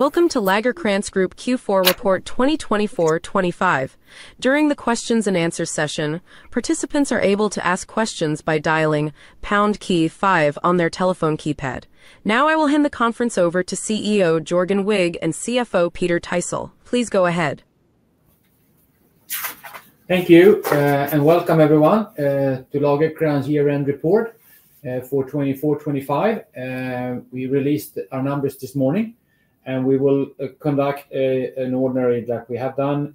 Welcome to Lagercrantz Group Q4 Report 2024-2025. During the Q&A session, participants are able to ask questions by dialing #5 on their telephone keypad. Now, I will hand the conference over to CEO Jörgen Wigh and CFO Peter Thysell. Please go ahead. Thank you, and welcome everyone to Lagercrantz year-end report for 2024-2025. We released our numbers this morning, and we will conduct an ordinary, like we have done,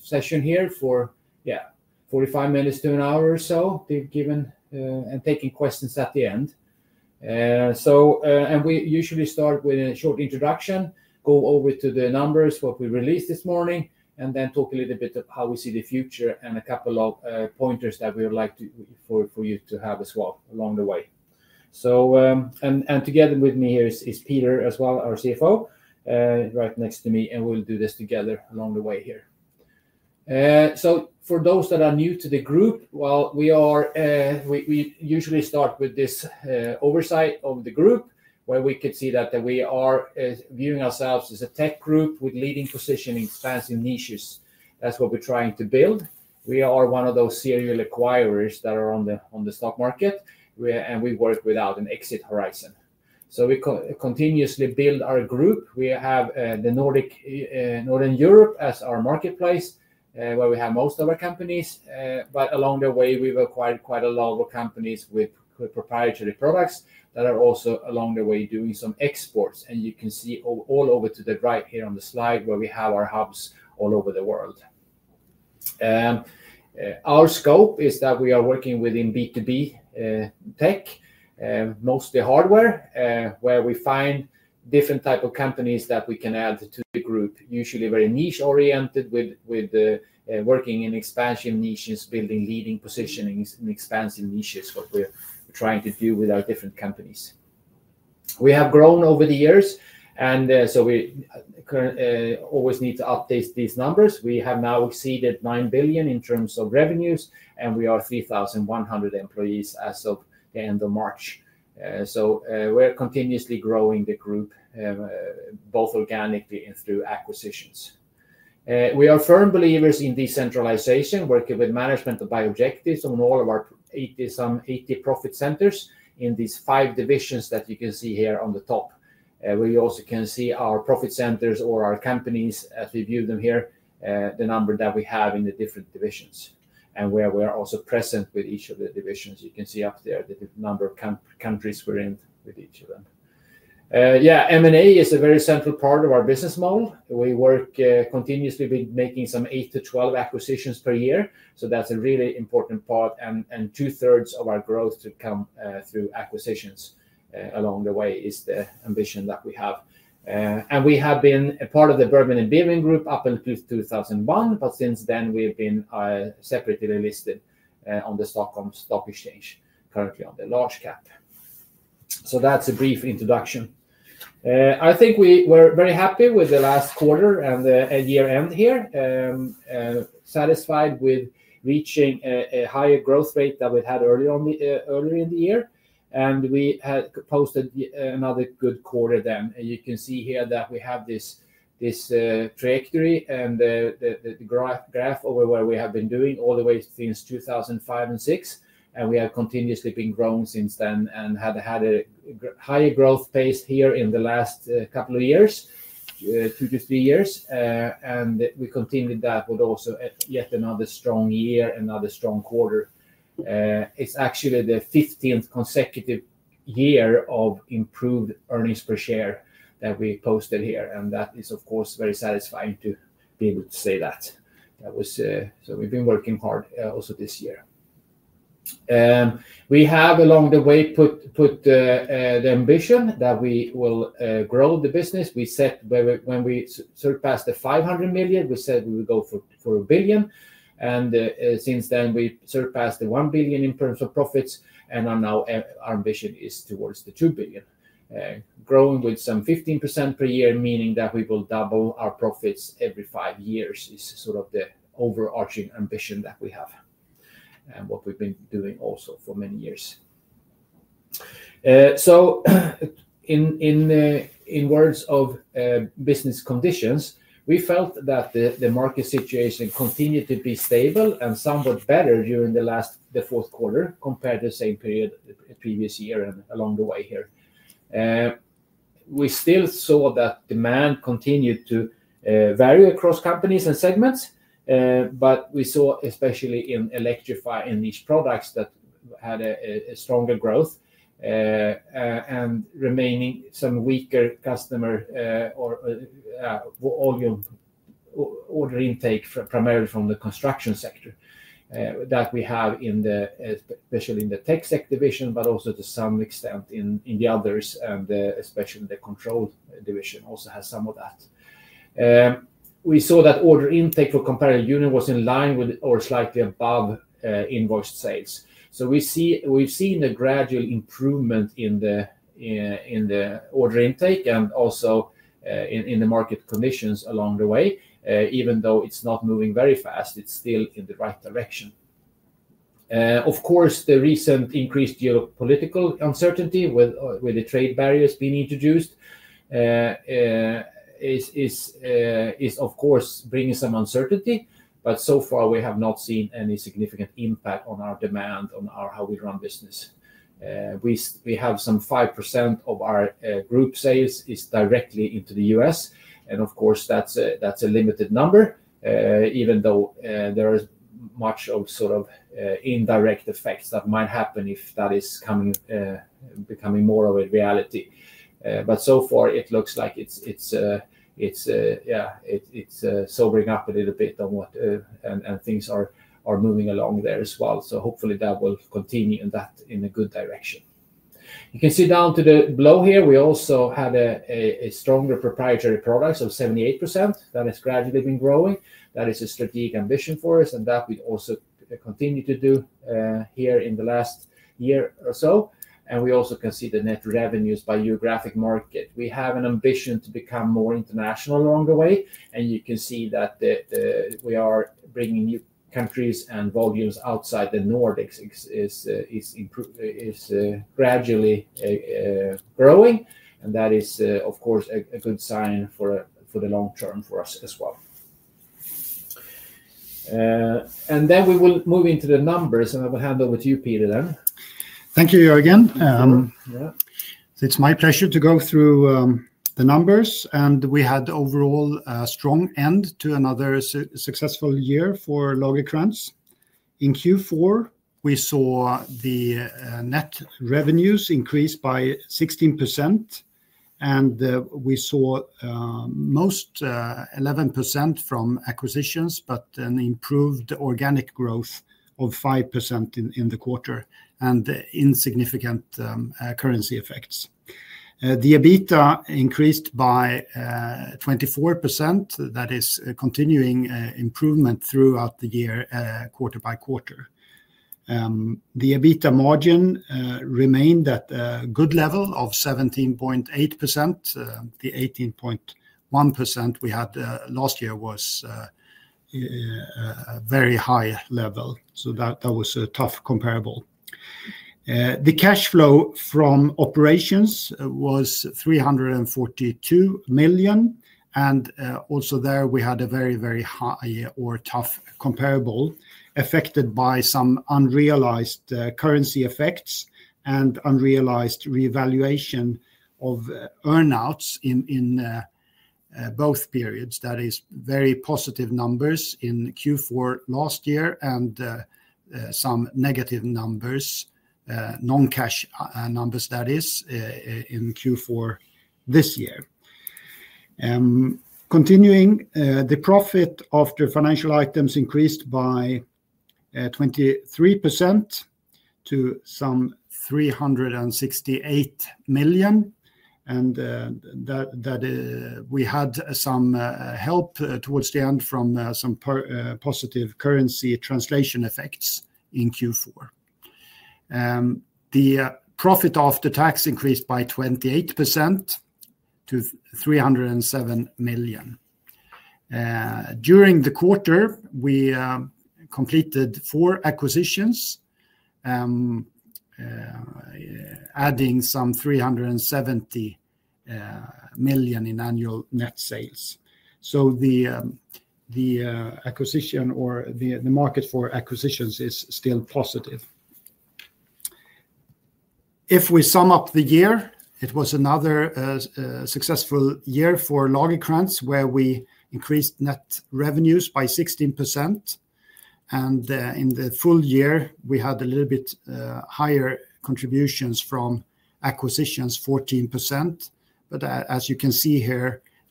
session here for, yeah, 45 minutes to an hour or so, giving and taking questions at the end. We usually start with a short introduction, go over to the numbers, what we released this morning, and then talk a little bit about how we see the future, and a couple of pointers that we would like for you to have as well along the way. Together with me here is Peter as well, our CFO, right next to me, and we will do this together along the way here. For those that are new to the group, we usually start with this oversight of the group, where we could see that we are viewing ourselves as a tech group with leading position in expansive niches. That's what we're trying to build. We are one of those serial acquirers that are on the stock market, and we work without an exit horizon. We continuously build our group. We have Northern Europe as our marketplace, where we have most of our companies. Along the way, we've acquired quite a lot of companies with proprietary products that are also along the way doing some exports. You can see all over to the right here on the slide where we have our hubs all over the world. Our scope is that we are working within B2B tech, mostly hardware, where we find different types of companies that we can add to the group, usually very niche-oriented, with working in expansion niches, building leading positioning in expansive niches, what we're trying to do with our different companies. We have grown over the years, and so we always need to update these numbers. We have now exceeded 9 billion in terms of revenues, and we are 3,100 employees as of the end of March. We are continuously growing the group, both organically and through acquisitions. We are firm believers in decentralization, working with management to buy objectives on all of our 80 profit centers in these five divisions that you can see here on the top. We also can see our profit centers or our companies, as we view them here, the number that we have in the different divisions, and where we are also present with each of the divisions. You can see up there the number of countries we're in with each of them. Yeah, M&A is a very central part of our business model. We work continuously with making some 8-12 acquisitions per year. That's a really important part, and two-thirds of our growth should come through acquisitions along the way is the ambition that we have. We have been a part of the Bergman & Beving Group up until 2001, but since then, we have been separately listed on the Stockholm Stock Exchange, currently on the large cap. That's a brief introduction. I think we were very happy with the last quarter and the year-end here, satisfied with reaching a higher growth rate than we had earlier in the year. We posted another good quarter then. You can see here that we have this trajectory and the graph over where we have been doing all the way since 2005 and 2006. We have continuously been growing since then and had a higher growth pace here in the last couple of years, two to three years. We continued that with also yet another strong year, another strong quarter. It's actually the 15th consecutive year of improved earnings per share that we posted here. That is, of course, very satisfying to be able to say that. We have been working hard also this year. We have, along the way, put the ambition that we will grow the business. When we surpassed the 500 million, we said we would go for a billion. Since then, we surpassed the 1 billion in terms of profits. Now our ambition is towards the 2 billion, growing with some 15% per year, meaning that we will double our profits every five years is sort of the overarching ambition that we have and what we've been doing also for many years. In words of business conditions, we felt that the market situation continued to be stable and somewhat better during the fourth quarter compared to the same period the previous year and along the way here. We still saw that demand continued to vary across companies and segments, but we saw, especially in Electrify and Niche Products, that had a stronger growth and remaining some weaker customer or volume order intake primarily from the construction sector that we have in the, especially in the Tech Sec division, but also to some extent in the others, and especially the Control division also has some of that. We saw that order intake for comparative unit was in line with or slightly above invoiced sales. We have seen a gradual improvement in the order intake and also in the market conditions along the way, even though it is not moving very fast, it is still in the right direction. Of course, the recent increased geopolitical uncertainty with the trade barriers being introduced is, of course, bringing some uncertainty. So far, we have not seen any significant impact on our demand, on how we run business. We have some 5% of our group sales directly into the US. Of course, that's a limited number, even though there are much of sort of indirect effects that might happen if that is becoming more of a reality. So far, it looks like it's sobering up a little bit and things are moving along there as well. Hopefully, that will continue in a good direction. You can see down to the below here, we also had a stronger proprietary product of 78% that has gradually been growing. That is a strategic ambition for us, and that we also continue to do here in the last year or so. We also can see the net revenues by geographic market. We have an ambition to become more international along the way. You can see that we are bringing new countries and volumes outside the Nordics is gradually growing. That is, of course, a good sign for the long term for us as well. We will move into the numbers, and I will hand over to you, Peter, then. Thank you, Jörgen. It's my pleasure to go through the numbers. We had overall a strong end to another successful year for Lagercrantz. In Q4, we saw the net revenues increase by 16%. We saw most, 11%, from acquisitions, but an improved organic growth of 5% in the quarter and insignificant currency effects. EBITA increased by 24%. That is continuing improvement throughout the year, quarter by quarter. EBITA margin remained at a good level of 17.8%. The 18.1% we had last year was a very high level. That was a tough comparable. The cash flow from operations was 342 million. Also there, we had a very, very high or tough comparable affected by some unrealized currency effects and unrealized revaluation of earnouts in both periods. That is very positive numbers in Q4 last year and some negative numbers, non-cash numbers, that is, in Q4 this year. Continuing, the profit after financial items increased by 23% to some SEK 368 million. We had some help towards the end from some positive currency translation effects in Q4. The profit after tax increased by 28% to 307 million. During the quarter, we completed four acquisitions, adding some 370 million in annual net sales. The market for acquisitions is still positive. If we sum up the year, it was another successful year for Lagercrantz, where we increased net revenues by 16%. In the full year, we had a little bit higher contributions from acquisitions, 14%. As you can see here,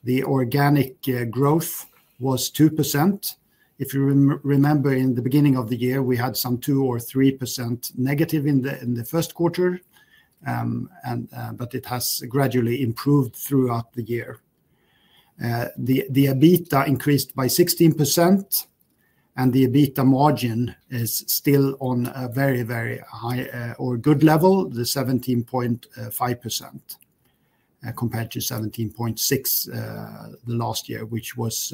the organic growth was 2%. If you remember, in the beginning of the year, we had some 2-3% negative in the first quarter, but it has gradually improved throughout the year. EBITA increased by 16%, and the EBITA margin is still on a very, very high or good level, the 17.5% compared to 17.6% last year, which was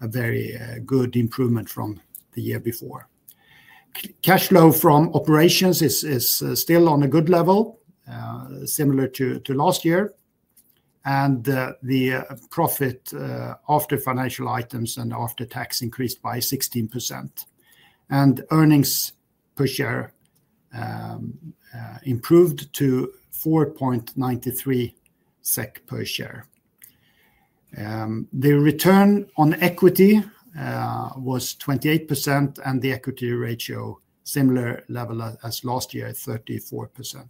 a very good improvement from the year before. Cash flow from operations is still on a good level, similar to last year. The profit after financial items and after tax increased by 16%. Earnings per share improved to 4.93 SEK per share. The return on equity was 28%, and the equity ratio, similar level as last year, 34%.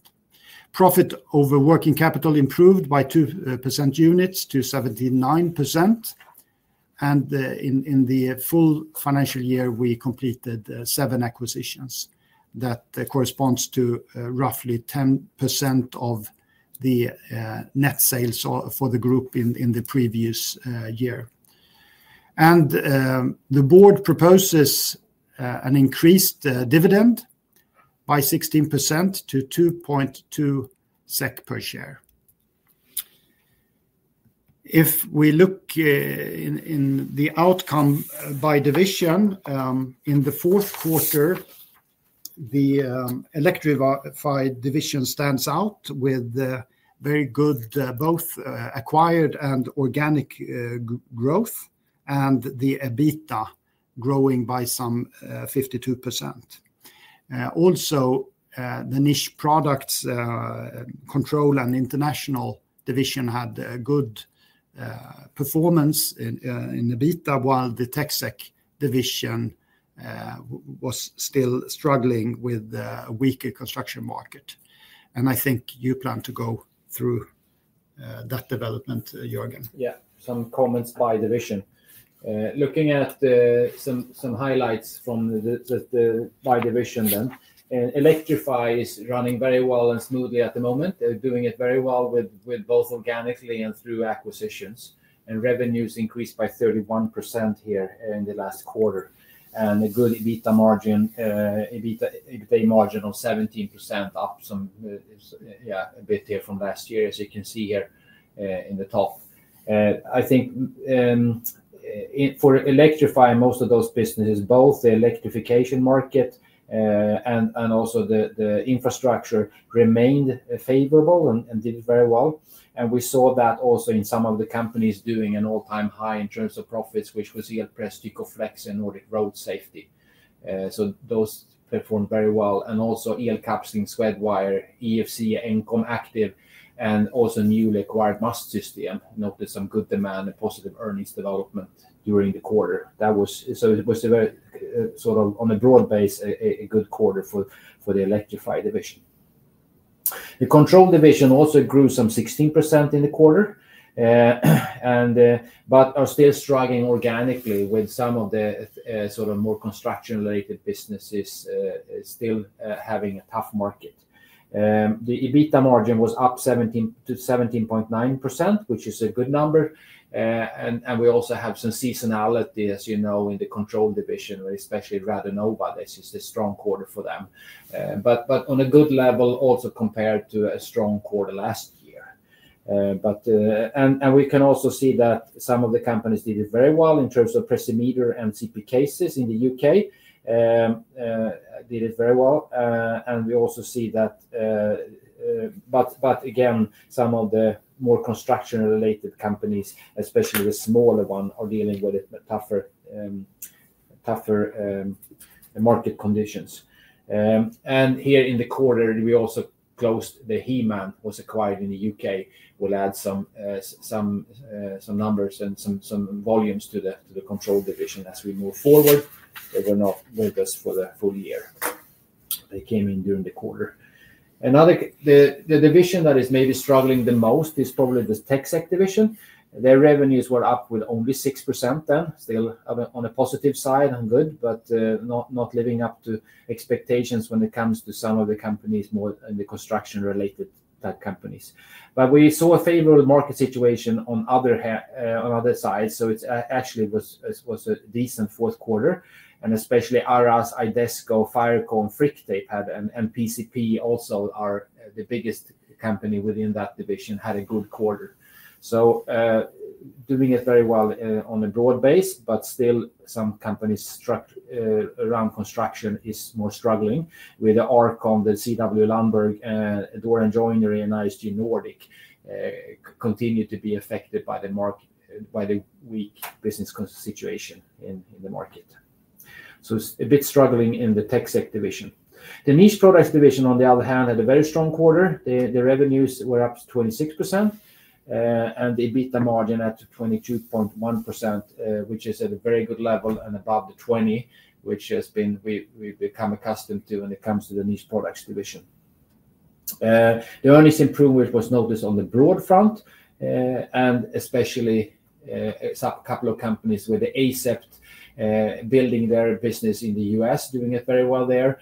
Profit over working capital improved by 2 percentage points to 79%. In the full financial year, we completed seven acquisitions. That corresponds to roughly 10% of the net sales for the group in the previous year. The board proposes an increased dividend by 16% to SEK 2.2 per share. If we look in the outcome by division, in the fourth quarter, the Electrify division stands out with very good both acquired and organic growth, and the EBITDA growing by some 52%. Also, the Niche Products, Control, and International division had good performance in EBITDA, while the TecSec division was still struggling with a weaker construction market. I think you plan to go through that development, Jörgen. Yeah, some comments by division. Looking at some highlights from the by division, then, Electrify is running very well and smoothly at the moment, doing it very well both organically and through acquisitions. Revenues increased by 31% here in the last quarter. A good EBITDA margin of 17%, up some, yeah, a bit here from last year, as you can see here in the top. I think for Electrify, most of those businesses, both the electrification market and also the infrastructure, remained favorable and did very well. We saw that also in some of the companies doing an all-time high in terms of profits, which was ELPress, TicoFlex, and Nordic Road Safety. Those performed very well. Also, ELCapsling, Sweatwire, EFC, Encom Active, and also newly acquired Must System noted some good demand and positive earnings development during the quarter. It was sort of on a broad base, a good quarter for the Electrify division. The Control division also grew some 16% in the quarter, but are still struggling organically with some of the sort of more construction-related businesses still having a tough market. The EBITDA margin was up to 17.9%, which is a good number. We also have some seasonality, as you know, in the Control division, especially Radenova, this is a strong quarter for them. On a good level also compared to a strong quarter last year. We can also see that some of the companies did it very well in terms of Pressimeter and CP Cases in the U.K., did it very well. We also see that, but again, some of the more construction-related companies, especially the smaller one, are dealing with tougher market conditions. Here in the quarter, we also closed the He-Man was acquired in the U.K. We'll add some numbers and some volumes to the Control division as we move forward. They were not with us for the full year. They came in during the quarter. The division that is maybe struggling the most is probably the Tech Sec division. Their revenues were up with only 6% then, still on a positive side and good, but not living up to expectations when it comes to some of the companies more in the construction-related type companies. We saw a favorable market situation on other sides. It actually was a decent fourth quarter. Especially Aras, Idesco, Firecon, Freaktape had, and PCP also, the biggest company within that division, had a good quarter. Doing it very well on a broad base, but still some companies around construction are more struggling with Arcom, CW Lamberg, Doran Joinery, and ISG Nordic continue to be affected by the weak business situation in the market. A bit struggling in the Tech Sec division. The Niche Products division, on the other hand, had a very strong quarter. The revenues were up to 26%, and the EBITDA margin at 22.1%, which is at a very good level and above the 20% which has been we've become accustomed to when it comes to the Niche Products division. The earnings improvement was noticed on the broad front, and especially a couple of companies with ASEPT building their business in the US, doing it very well there.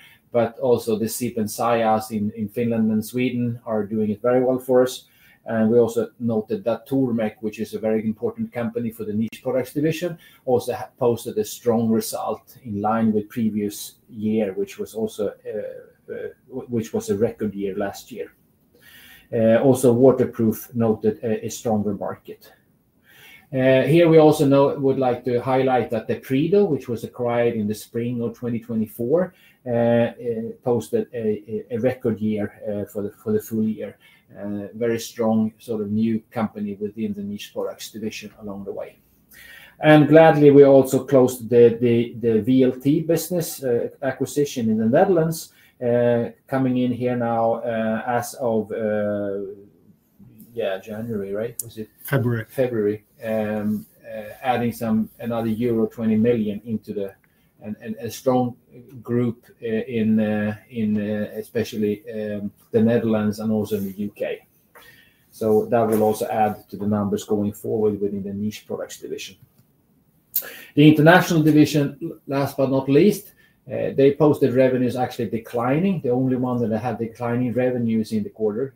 Also, SIP and SIAS in Finland and Sweden are doing it very well for us. We also noted that Tormek, which is a very important company for the Niche Products division, also posted a strong result in line with previous year, which was a record year last year. Waterproof noted a stronger market. Here we also would like to highlight that Predo, which was acquired in the spring of 2024, posted a record year for the full year. Very strong sort of new company within the Niche Products division along the way. Gladly, we also closed the VLT Business acquisition in the Netherlands, coming in here now as of, yeah, January, right? February. February. Adding another euro 20 million into the strong group in especially the Netherlands and also in the U.K. That will also add to the numbers going forward within the Niche Products division. The International division, last but not least, they posted revenues actually declining. The only one that had declining revenues in the quarter,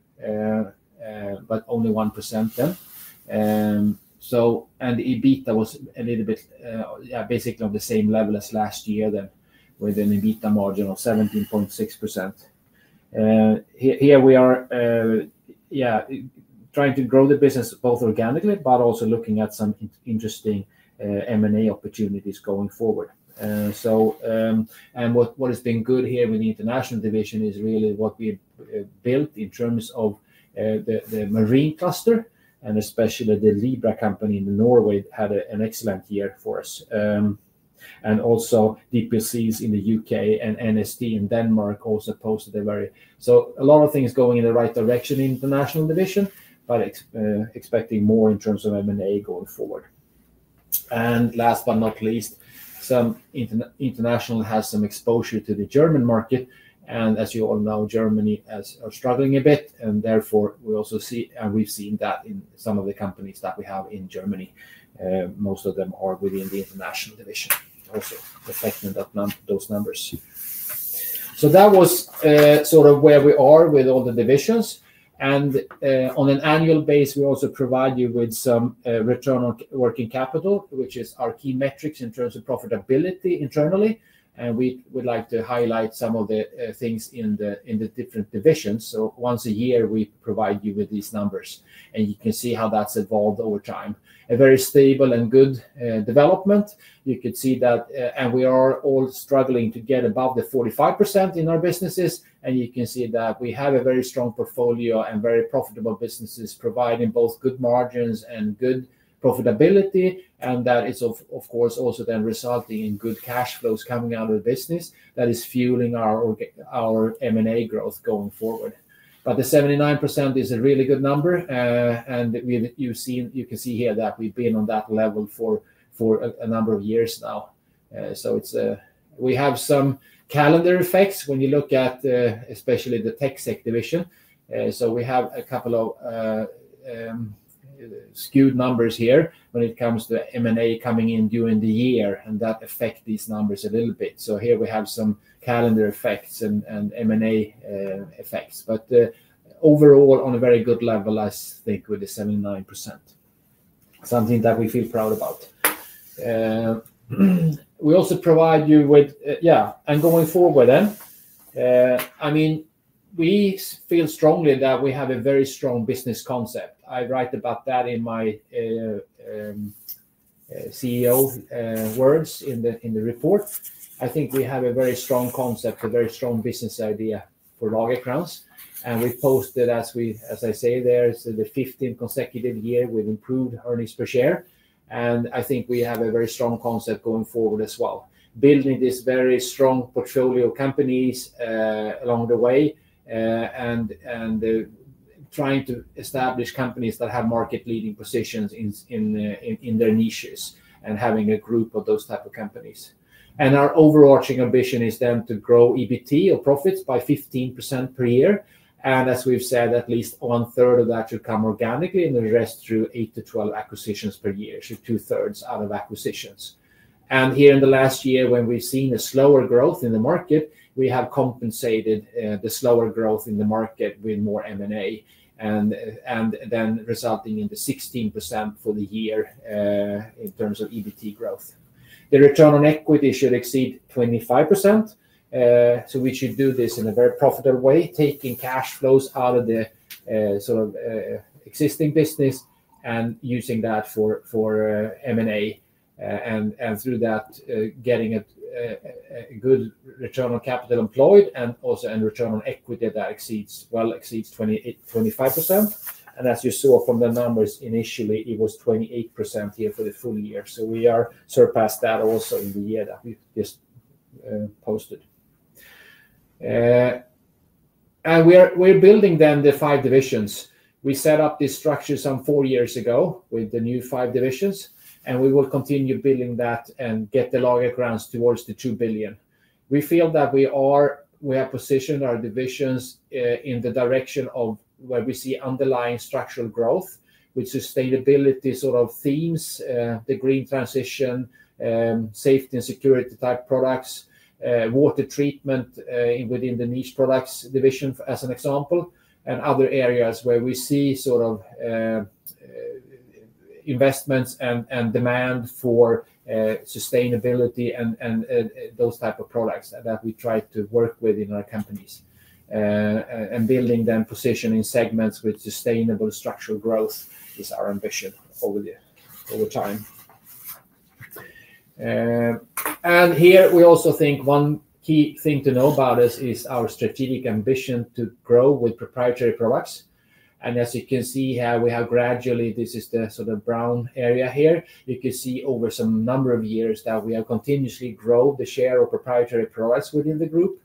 but only 1% then. The EBITDA was a little bit, yeah, basically on the same level as last year then with an EBITDA margin of 17.6%. Here we are, yeah, trying to grow the business both organically, but also looking at some interesting M&A opportunities going forward. What has been good here with the International division is really what we built in terms of the marine cluster, and especially the Libra company in Norway had an excellent year for us. Also, DPCs in the U.K. and NST in Denmark posted a very, so a lot of things going in the right direction in the International division, but expecting more in terms of M&A going forward. Last but not least, International has some exposure to the German market. As you all know, Germany is struggling a bit. Therefore, we also see, and we have seen that in some of the companies that we have in Germany, most of them are within the International division, also reflecting those numbers. That was sort of where we are with all the divisions. On an annual basis, we also provide you with some return on working capital, which is our key metric in terms of profitability internally. We would like to highlight some of the things in the different divisions. Once a year, we provide you with these numbers, and you can see how that's evolved over time. A very stable and good development. You could see that, and we are all struggling to get above the 45% in our businesses. You can see that we have a very strong portfolio and very profitable businesses providing both good margins and good profitability. That is, of course, also then resulting in good cash flows coming out of the business that is fueling our M&A growth going forward. The 79% is a really good number. You can see here that we've been on that level for a number of years now. We have some calendar effects when you look at especially the Tech Sec division. We have a couple of skewed numbers here when it comes to M&A coming in during the year, and that affects these numbers a little bit. Here we have some calendar effects and M&A effects. Overall, on a very good level, I think with the 79%, something that we feel proud about. We also provide you with, yeah, and going forward then, I mean, we feel strongly that we have a very strong business concept. I write about that in my CEO words in the report. I think we have a very strong concept, a very strong business idea for Lagercrantz. We posted, as I say, the 15th consecutive year with improved earnings per share. I think we have a very strong concept going forward as well, building this very strong portfolio companies along the way and trying to establish companies that have market-leading positions in their niches and having a group of those type of companies. Our overarching ambition is then to grow EBT or profits by 15% per year. As we've said, at least one third of that should come organically, and the rest through 8-12 acquisitions per year, so two-thirds out of acquisitions. Here in the last year, when we've seen a slower growth in the market, we have compensated the slower growth in the market with more M&A, and then resulting in the 16% for the year in terms of EBT growth. The return on equity should exceed 25%. We should do this in a very profitable way, taking cash flows out of the sort of existing business and using that for M&A, and through that, getting a good return on capital employed and also a return on equity that exceeds, well exceeds, 25%. As you saw from the numbers initially, it was 28% here for the full year. We have surpassed that also in the year that we just posted. We are building then the five divisions. We set up these structures some four years ago with the new five divisions, and we will continue building that and get Lagercrantz towards the 2 billion. We feel that we have positioned our divisions in the direction of where we see underlying structural growth with sustainability sort of themes, the green transition, safety and security type products, water treatment within the Niche Products division as an example, and other areas where we see sort of investments and demand for sustainability and those type of products that we try to work with in our companies. Building then position in segments with sustainable structural growth is our ambition over time. Here we also think one key thing to know about us is our strategic ambition to grow with proprietary products. As you can see here, we have gradually, this is the sort of brown area here, you can see over some number of years that we have continuously grown the share of proprietary products within the group.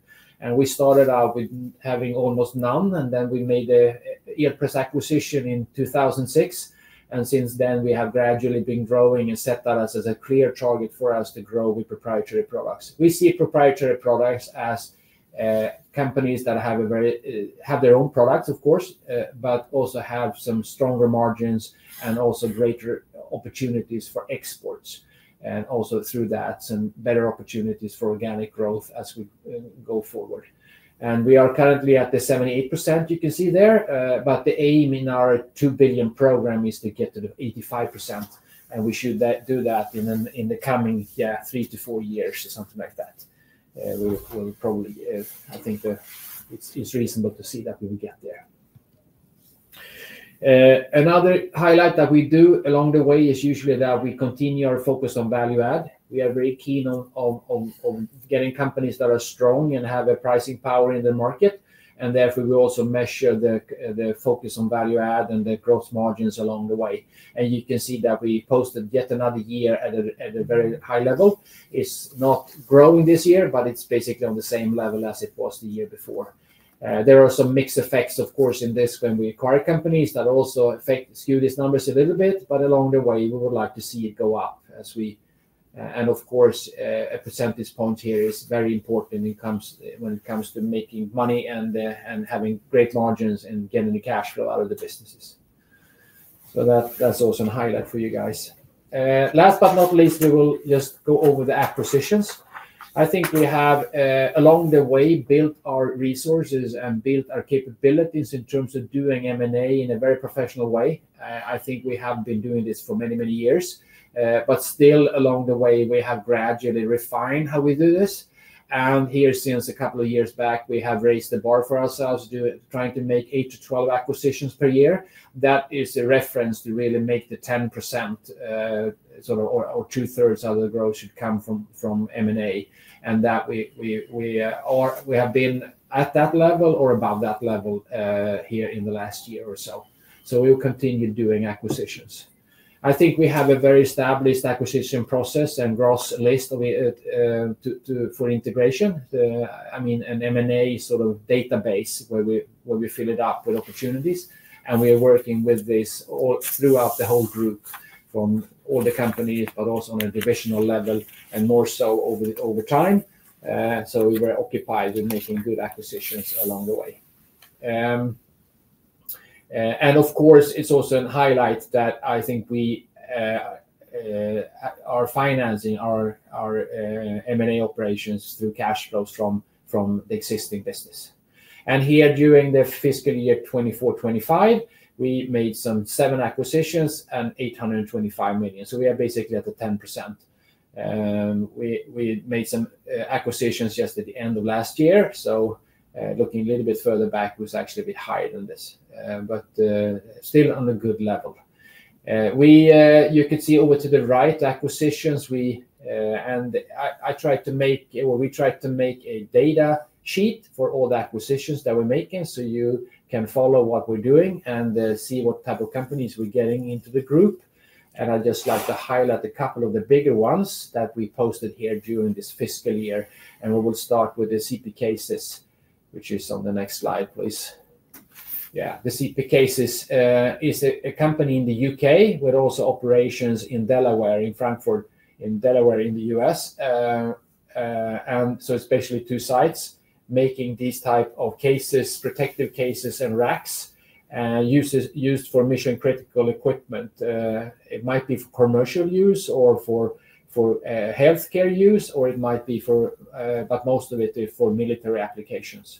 We started out with having almost none, and then we made the ELPress acquisition in 2006. Since then, we have gradually been growing and set that as a clear target for us to grow with proprietary products. We see proprietary products as companies that have their own products, of course, but also have some stronger margins and also greater opportunities for exports. Also through that, some better opportunities for organic growth as we go forward. We are currently at the 78% you can see there, but the aim in our 2 billion program is to get to the 85%. We should do that in the coming three to four years, something like that. I think it's reasonable to see that we will get there. Another highlight that we do along the way is usually that we continue our focus on value add. We are very keen on getting companies that are strong and have a pricing power in the market. Therefore, we also measure the focus on value add and the gross margins along the way. You can see that we posted yet another year at a very high level. It is not growing this year, but it is basically on the same level as it was the year before. There are some mixed effects, of course, in this when we acquire companies that also skew these numbers a little bit, but along the way, we would like to see it go up as we. A percentage point here is very important when it comes to making money and having great margins and getting the cash flow out of the businesses. That is also a highlight for you guys. Last but not least, we will just go over the acquisitions. I think we have along the way built our resources and built our capabilities in terms of doing M&A in a very professional way. I think we have been doing this for many, many years. Still, along the way, we have gradually refined how we do this. Here since a couple of years back, we have raised the bar for ourselves trying to make 8-12 acquisitions per year. That is a reference to really make the 10% sort of or two-thirds of the growth should come from M&A. We have been at that level or above that level here in the last year or so. We will continue doing acquisitions. I think we have a very established acquisition process and gross list for integration. I mean, an M&A sort of database where we fill it up with opportunities. And we are working with this throughout the whole group from all the companies, but also on a divisional level and more so over time. We were occupied with making good acquisitions along the way. Of course, it's also a highlight that I think we are financing our M&A operations through cash flows from the existing business. Here during the fiscal year 2024-2025, we made some seven acquisitions and 825 million. We are basically at the 10%. We made some acquisitions just at the end of last year. Looking a little bit further back, it was actually a bit higher than this, but still on a good level. You could see over to the right acquisitions. We tried to make a data sheet for all the acquisitions that we're making so you can follow what we're doing and see what type of companies we're getting into the group. I'd just like to highlight a couple of the bigger ones that we posted here during this fiscal year. We will start with the CP Cases, which is on the next slide, please. The CP Cases is a company in the U.K. with also operations in Delaware, in Frankfurt, in Delaware in the U.S. Especially two sites making these type of cases, protective cases and racks used for mission-critical equipment. It might be for commercial use or for healthcare use, or it might be for, but most of it is for military applications.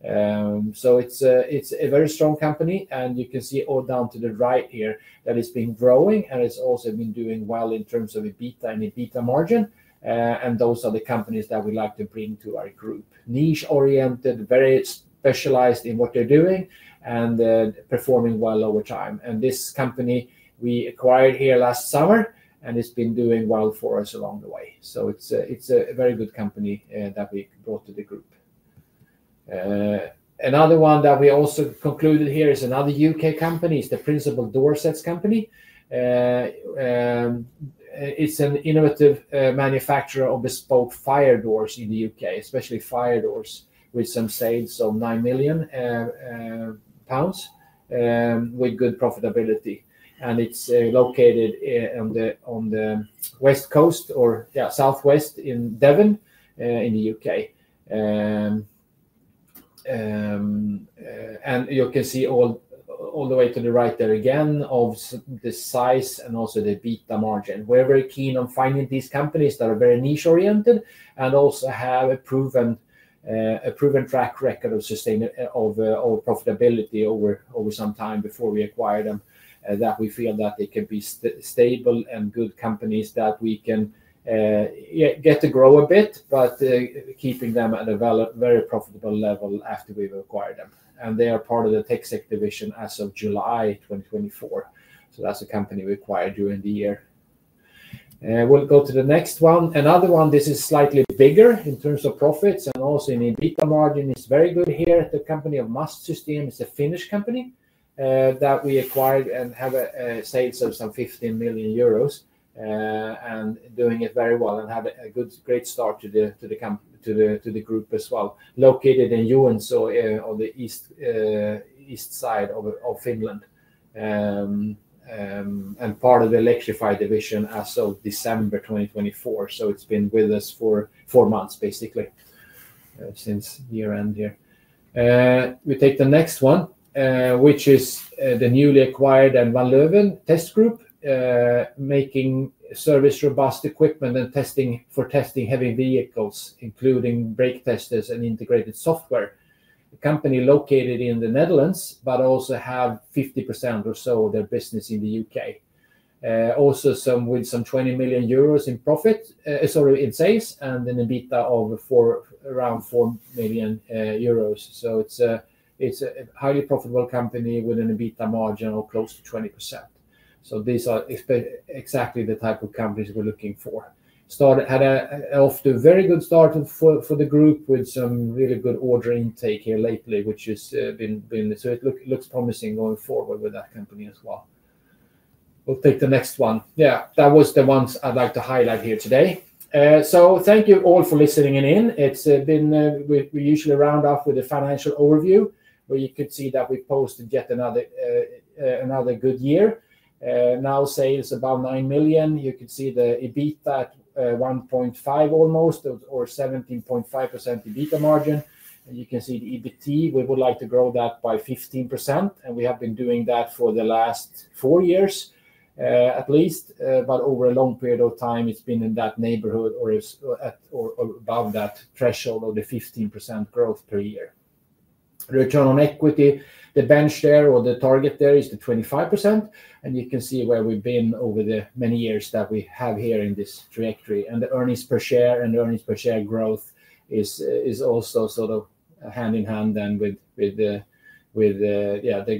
It is a very strong company. You can see all down to the right here that it's been growing and it's also been doing well in terms of EBITDA and EBITDA margin. Those are the companies that we'd like to bring to our group. Niche-oriented, very specialized in what they're doing and performing well over time. This company we acquired here last summer and it's been doing well for us along the way. It's a very good company that we brought to the group. Another one that we also concluded here is another U.K. company. It's the Principal Door Sets company. It's an innovative manufacturer of bespoke fire doors in the U.K., especially fire doors with some sales of 9 million pounds with good profitability. It's located on the west coast or southwest in Devon in the U.K. You can see all the way to the right there again of the size and also the EBITDA margin. We are very keen on finding these companies that are very niche-oriented and also have a proven track record of profitability over some time before we acquired them, that we feel that they could be stable and good companies that we can get to grow a bit, but keeping them at a very profitable level after we have acquired them. They are part of the Tech Sec division as of July 2024. That is a company we acquired during the year. We will go to the next one. Another one, this is slightly bigger in terms of profits and also in EBITDA margin. It is very good here. The company of Must System is a Finnish company that we acquired and have a sales of some 15 million euros and doing it very well and had a great start to the group as well. Located in Unso on the east side of Finland and part of the Electrified division as of December 2024. It has been with us for four months basically since year-end here. We take the next one, which is the newly acquired Van Leeuwen Test Group making service robust equipment and testing for testing heavy vehicles, including brake testers and integrated software. A company located in the Netherlands, but also have 50% or so of their business in the U.K. Also with some 20 million euros in sales and an EBITDA of around 4 million euros. It is a highly profitable company with an EBITDA margin of close to 20%. These are exactly the type of companies we're looking for. Had an off to a very good start for the group with some really good order intake here lately, which has been, so it looks promising going forward with that company as well. We'll take the next one. Yeah, that was the ones I'd like to highlight here today. Thank you all for listening in. We usually round off with a financial overview where you could see that we posted yet another good year. Now sales about 9 million. You could see the EBITDA at 1.5 million almost or 17.5% EBITDA margin. You can see the EBITDA. We would like to grow that by 15%. We have been doing that for the last four years at least, but over a long period of time, it has been in that neighborhood or above that threshold of the 15% growth per year. Return on equity, the bench there or the target there is the 25%. You can see where we have been over the many years that we have here in this trajectory. The earnings per share and earnings per share growth is also sort of hand in hand then with the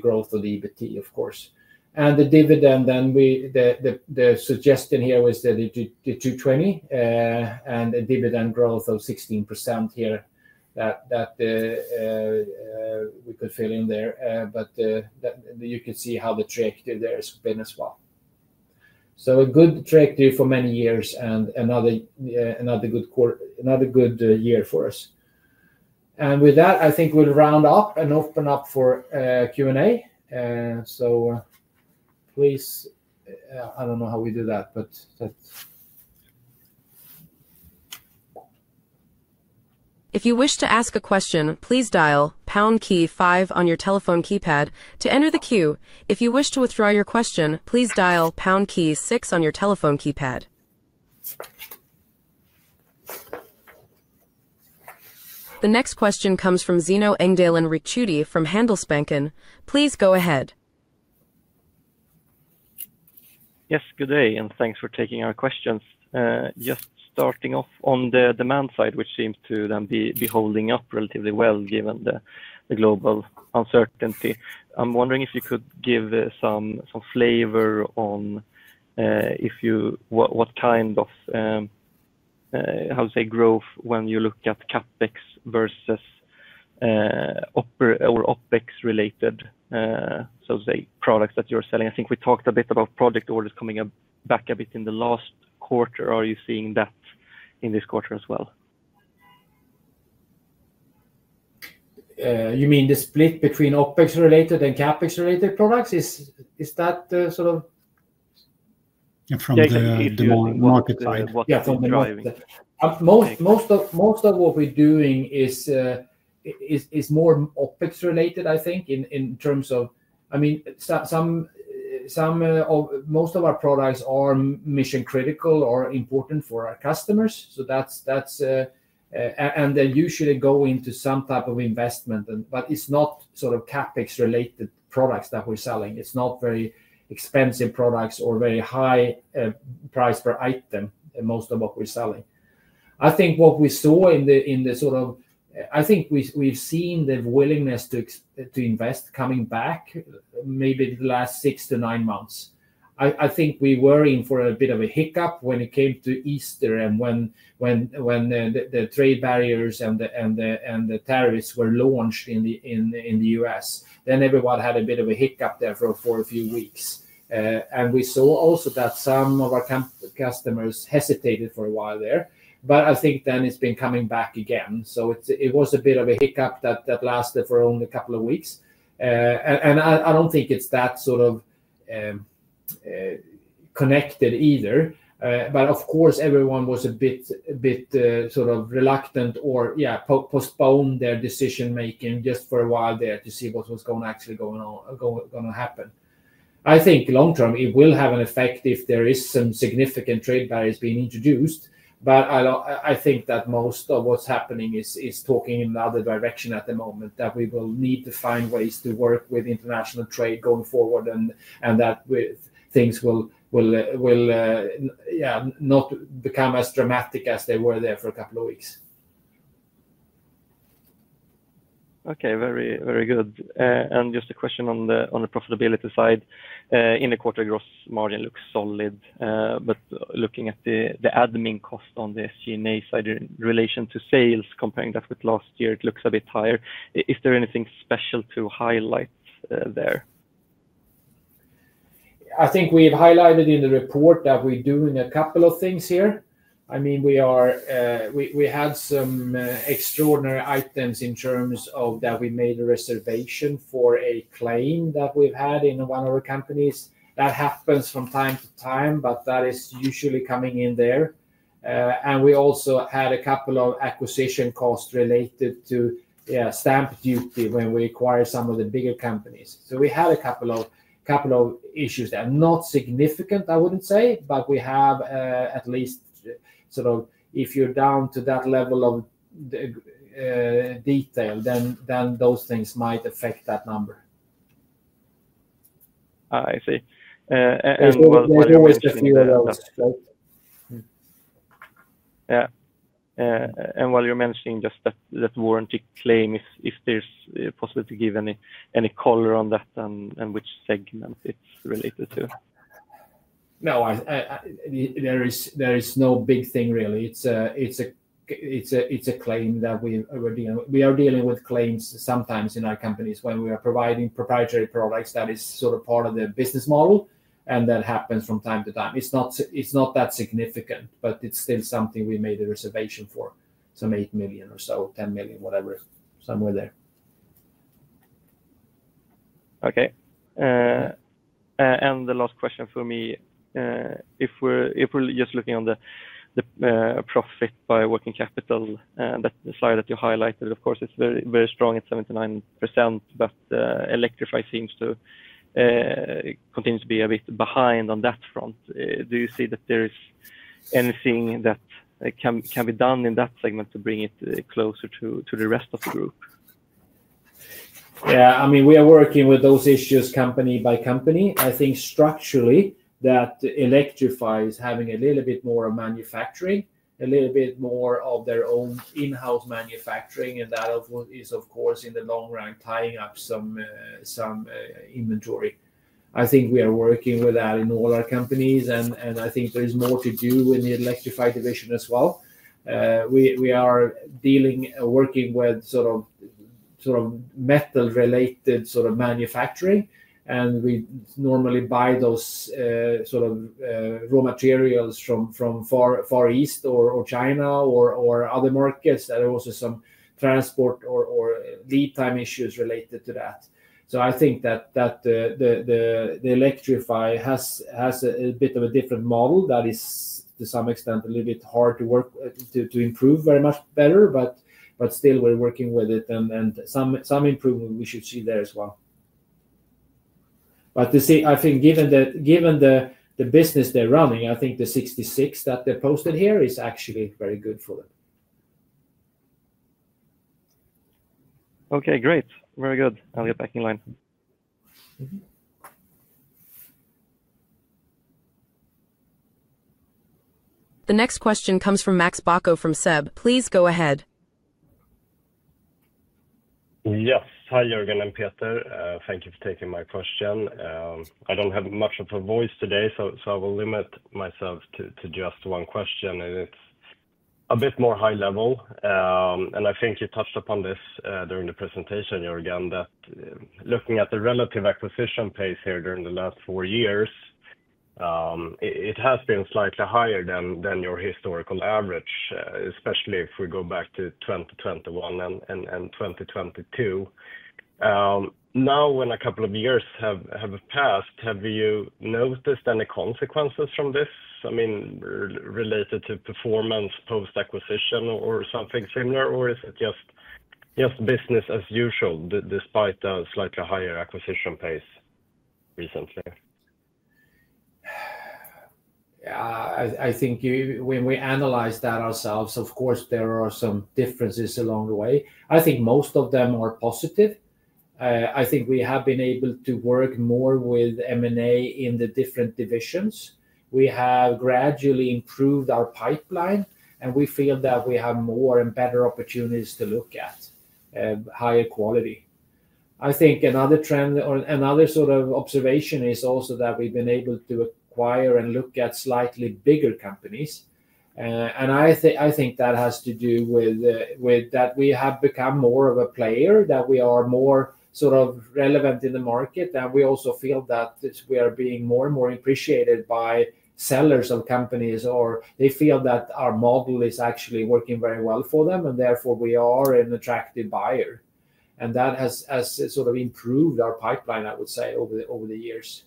growth of the EBITDA, of course. The dividend, then the suggestion here was the 2.20 and a dividend growth of 16% here that we could fill in there. You could see how the trajectory there has been as well. A good trajectory for many years and another good year for us. With that, I think we'll round up and open up for Q&A. Please, I do not know how we do that, but that is. If you wish to ask a question, please dial pound key five on your telephone keypad to enter the queue. If you wish to withdraw your question, please dial pound key six on your telephone keypad. The next question comes from Zino Engdalen Ricciuti from Handelsbanken. Please go ahead. Yes, good day and thanks for taking our questions. Just starting off on the demand side, which seems to then be holding up relatively well given the global uncertainty. I am wondering if you could give some flavor on what kind of, how to say, growth when you look at CapEx versus OpEx related, so to say, products that you are selling. I think we talked a bit about project orders coming back a bit in the last quarter. Are you seeing that in this quarter as well? You mean the split between OpEx related and CapEx related products? Is that sort of. From the market side. Most of what we're doing is more OpEx related, I think, in terms of, I mean, most of our products are mission-critical or important for our customers. So that's, and they usually go into some type of investment, but it's not sort of CapEx related products that we're selling. It's not very expensive products or very high price per item, most of what we're selling. I think what we saw in the sort of, I think we've seen the willingness to invest coming back maybe the last six to nine months. I think we were in for a bit of a hiccup when it came to Easter and when the trade barriers and the tariffs were launched in the U.S., then everyone had a bit of a hiccup there for a few weeks. We saw also that some of our customers hesitated for a while there, but I think then it's been coming back again. It was a bit of a hiccup that lasted for only a couple of weeks. I don't think it's that sort of connected either, but of course, everyone was a bit sort of reluctant or, yeah, postponed their decision-making just for a while there to see what was actually going to happen. I think long-term, it will have an effect if there is some significant trade barriers being introduced, but I think that most of what's happening is talking in the other direction at the moment that we will need to find ways to work with international trade going forward and that things will not become as dramatic as they were there for a couple of weeks. Okay, very good. Just a question on the profitability side. In the quarter, gross margin looks solid, but looking at the admin cost on the SG&A side in relation to sales, comparing that with last year, it looks a bit higher. Is there anything special to highlight there? I think we've highlighted in the report that we're doing a couple of things here. I mean, we had some extraordinary items in terms of that we made a reservation for a claim that we've had in one of our companies. That happens from time to time, but that is usually coming in there. We also had a couple of acquisition costs related to stamp duty when we acquired some of the bigger companies. We had a couple of issues there. Not significant, I wouldn't say, but we have at least sort of if you're down to that level of detail, then those things might affect that number. I see. While you're managing just that warranty claim, if there's possibility to give any color on that and which segment it's related to. No, there is no big thing really. It's a claim that we are dealing with claims sometimes in our companies when we are providing proprietary products. That is sort of part of the business model. That happens from time to time. It's not that significant, but it's still something we made a reservation for. 8 million or so, 10 million, whatever, somewhere there. Okay. The last question for me, if we're just looking on the profit by working capital, that slide that you highlighted, of course, it's very strong at 79%, but Electrify seems to continue to be a bit behind on that front. Do you see that there is anything that can be done in that segment to bring it closer to the rest of the group? Yeah, I mean, we are working with those issues company by company. I think structurally that Electrify is having a little bit more of manufacturing, a little bit more of their own in-house manufacturing, and that is, of course, in the long run tying up some inventory. I think we are working with that in all our companies, and I think there is more to do in the Electrify division as well. We are working with sort of metal-related sort of manufacturing, and we normally buy those sort of raw materials from Far East or China or other markets. There are also some transport or lead time issues related to that. I think that the Electrify has a bit of a different model that is, to some extent, a little bit hard to improve very much better, but still we're working with it, and some improvement we should see there as well. I think given the business they're running, I think the 66 that they posted here is actually very good for them. Okay, great. Very good. I'll get back in line. The next question comes from Max Bacco from SEB. Please go ahead. Yes, hi, Jörgen and Peter. Thank you for taking my question. I don't have much of a voice today, so I will limit myself to just one question, and it's a bit more high level. I think you touched upon this during the presentation, Jörgen, that looking at the relative acquisition pace here during the last four years, it has been slightly higher than your historical average, especially if we go back to 2021 and 2022. Now, when a couple of years have passed, have you noticed any consequences from this, I mean, related to performance post-acquisition or something similar, or is it just business as usual despite the slightly higher acquisition pace recently? Yeah, I think when we analyze that ourselves, of course, there are some differences along the way. I think most of them are positive. I think we have been able to work more with M&A in the different divisions. We have gradually improved our pipeline, and we feel that we have more and better opportunities to look at higher quality. I think another trend or another sort of observation is also that we've been able to acquire and look at slightly bigger companies. I think that has to do with that we have become more of a player, that we are more sort of relevant in the market, and we also feel that we are being more and more appreciated by sellers of companies, or they feel that our model is actually working very well for them, and therefore we are an attractive buyer. That has sort of improved our pipeline, I would say, over the years.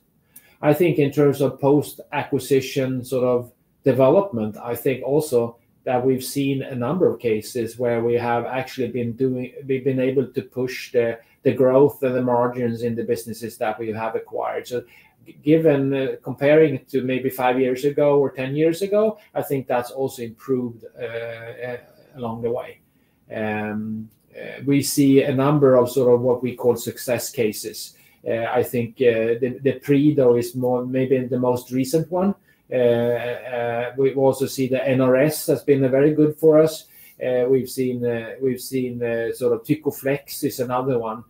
I think in terms of post-acquisition sort of development, I think also that we've seen a number of cases where we have actually been able to push the growth and the margins in the businesses that we have acquired. Given comparing it to maybe five years ago or ten years ago, I think that's also improved along the way. We see a number of sort of what we call success cases. I think the Predo is maybe the most recent one. We also see the NRS has been very good for us. We've seen sort of TicoFlex is another one,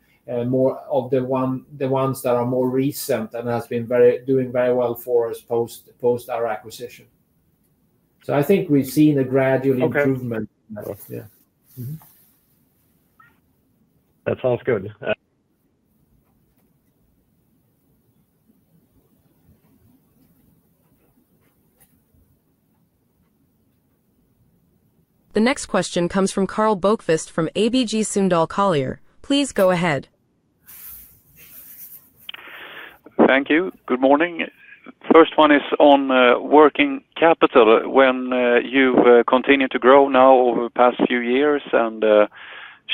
more of the ones that are more recent and has been doing very well for us post our acquisition. I think we've seen a gradual improvement. That sounds good. The next question comes from Karl Bokvist from ABG Sundal Collier. Please go ahead. Thank you. Good morning. First one is on working capital. When you continue to grow now over the past few years and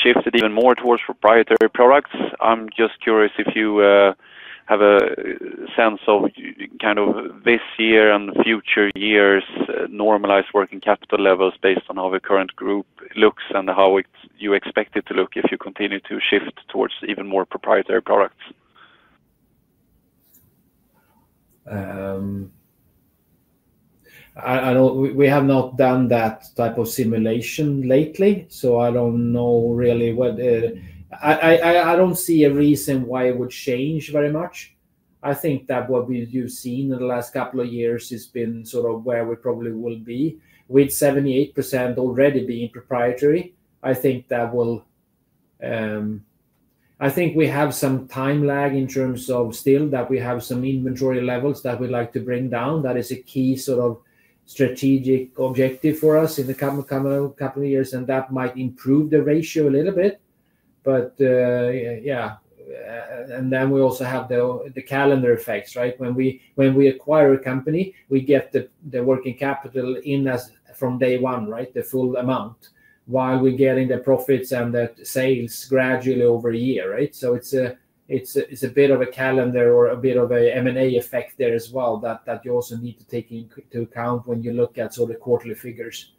shifted even more towards proprietary products, I'm just curious if you have a sense of kind of this year and future years normalized working capital levels based on how the current group looks and how you expect it to look if you continue to shift towards even more proprietary products. We have not done that type of simulation lately, so I don't know really what I don't see a reason why it would change very much. I think that what we've seen in the last couple of years has been sort of where we probably will be with 78% already being proprietary. I think that will I think we have some time lag in terms of still that we have some inventory levels that we'd like to bring down. That is a key sort of strategic objective for us in the coming couple of years, and that might improve the ratio a little bit. Yeah, and then we also have the calendar effects, right? When we acquire a company, we get the working capital in from day one, right? The full amount while we're getting the profits and the sales gradually over a year, right? It's a bit of a calendar or a bit of an M&A effect there as well that you also need to take into account when you look at sort of quarterly figures.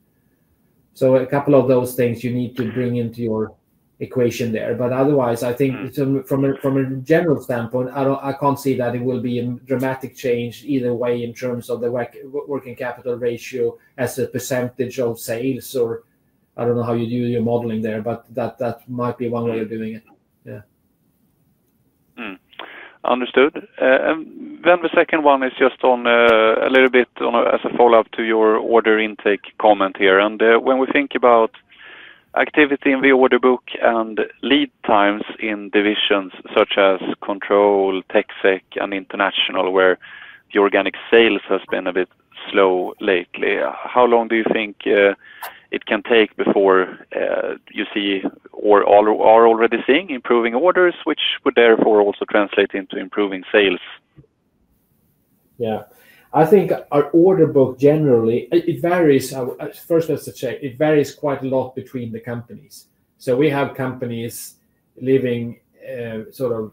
A couple of those things you need to bring into your equation there. Otherwise, I think from a general standpoint, I can't see that it will be a dramatic change either way in terms of the working capital ratio as a percentage of sales, or I don't know how you do your modeling there, but that might be one way of doing it. Yeah. Understood. The second one is just on a little bit as a follow-up to your order intake comment here. When we think about activity in the order book and lead times in divisions such as Control, TechSec, and International, where the organic sales has been a bit slow lately, how long do you think it can take before you see or are already seeing improving orders, which would therefore also translate into improving sales? Yeah. I think our order book generally, it varies. First, let's say it varies quite a lot between the companies. We have companies living sort of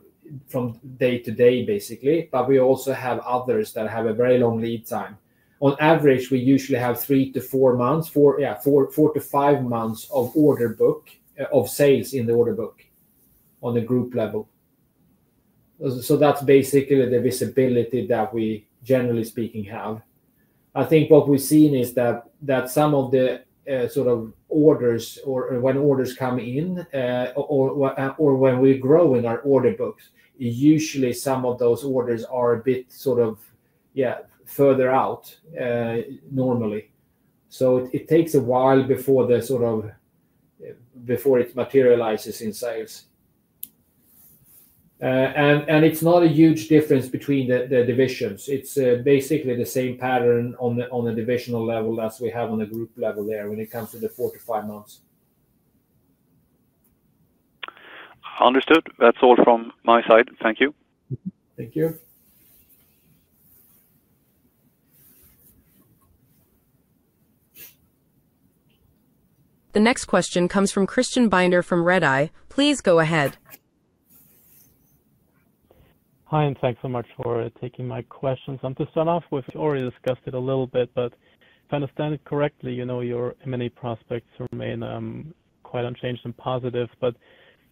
from day to day, basically, but we also have others that have a very long lead time. On average, we usually have three to four months, yeah, four to five months of order book of sales in the order book on the group level. That is basically the visibility that we generally speaking have. I think what we've seen is that some of the sort of orders or when orders come in or when we grow in our order books, usually some of those orders are a bit sort of, yeah, further out normally. It takes a while before it materializes in sales. It's not a huge difference between the divisions. It's basically the same pattern on the divisional level as we have on the group level there when it comes to the four to five months. Understood. That's all from my side. Thank you. Thank you. The next question comes from Christian Binder from Redeye. Please go ahead. Hi, and thanks so much for taking my questions. To start off with, we already discussed it a little bit, but if I understand it correctly, your M&A prospects remain quite unchanged and positive.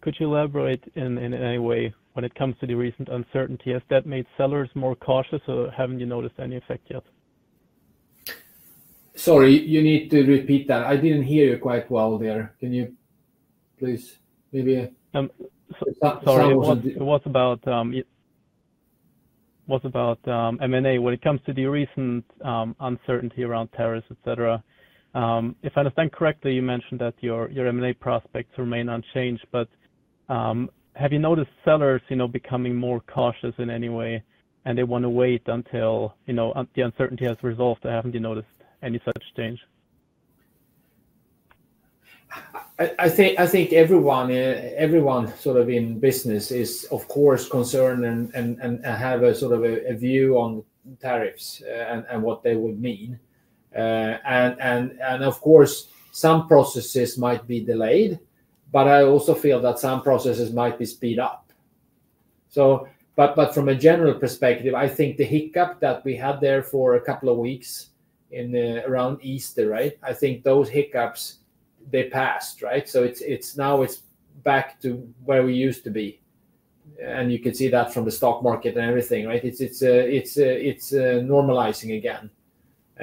Could you elaborate in any way when it comes to the recent uncertainty? Has that made sellers more cautious, or have you not noticed any effect yet? Sorry, you need to repeat that. I did not hear you quite well there. Can you please maybe—sorry. It was about M&A. When it comes to the recent uncertainty around tariffs, etc., if I understand correctly, you mentioned that your M&A prospects remain unchanged, but have you noticed sellers becoming more cautious in any way, and they want to wait until the uncertainty has resolved? Have you not noticed any such change? I think everyone sort of in business is, of course, concerned and has a sort of a view on tariffs and what they would mean. Of course, some processes might be delayed, but I also feel that some processes might speed up. From a general perspective, I think the hiccup that we had there for a couple of weeks around Easter, right? I think those hiccups, they passed, right? Now it's back to where we used to be. You can see that from the stock market and everything, right? It's normalizing again.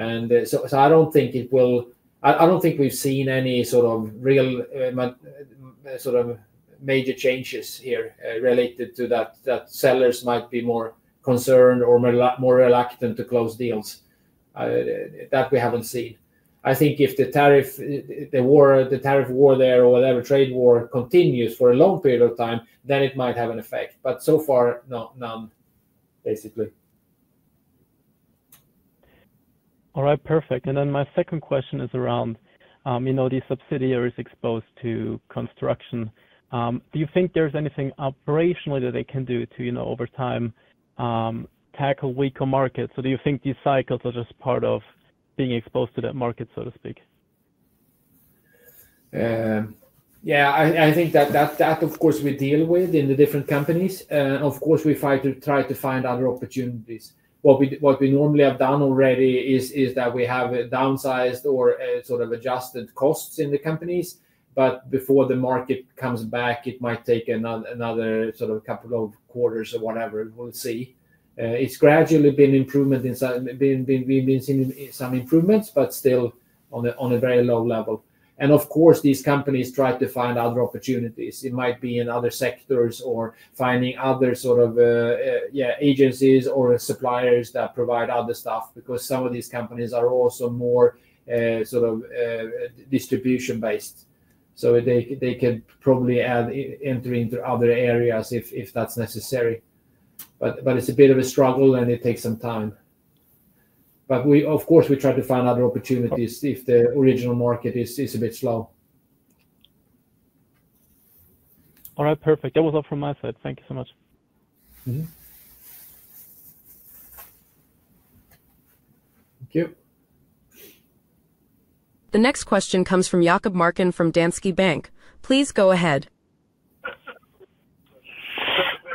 I don't think we've seen any sort of real sort of major changes here related to that sellers might be more concerned or more reluctant to close deals. That we haven't seen. I think if the tariff war there or whatever, trade war continues for a long period of time, then it might have an effect. But so far, none, basically. All right. Perfect. My second question is around these subsidiaries exposed to construction. Do you think there's anything operationally that they can do to, over time, tackle weaker markets? Do you think these cycles are just part of being exposed to that market, so to speak? Yeah, I think that, of course, we deal with in the different companies. Of course, we try to find other opportunities. What we normally have done already is that we have downsized or sort of adjusted costs in the companies. Before the market comes back, it might take another sort of couple of quarters or whatever. We'll see. It's gradually been improvement. We've been seeing some improvements, but still on a very low level. Of course, these companies try to find other opportunities. It might be in other sectors or finding other sort of agencies or suppliers that provide other stuff because some of these companies are also more sort of distribution-based. They could probably enter into other areas if that's necessary. It is a bit of a struggle, and it takes some time. Of course, we try to find other opportunities if the original market is a bit slow. All right. Perfect. That was all from my side. Thank you so much. Thank you. The next question comes from Jakob Marken from DNB Bank. Please go ahead.